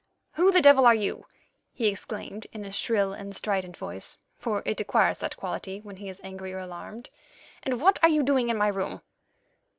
"Who the devil are you?" he exclaimed in a shrill and strident voice, for it acquires that quality when he is angry or alarmed, "and what are you doing in my room?"